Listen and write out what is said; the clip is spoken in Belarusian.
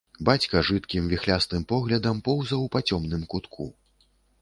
Бацька жыдкім віхлястым поглядам поўзаў па цёмным кутку.